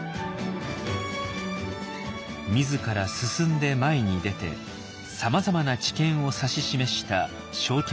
自ら進んで前に出てさまざまな知見を指し示した昭憲皇太后。